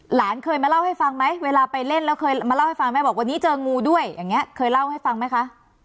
หลานเคยมาเล่าให้ฟังไหมเวลาไปเล่นแล้วเคยมาเล่าให้ฟังไหมบอกวันนี้เจองูด้วยอย่างนี้เคยเล่าให้ฟังไหมคะ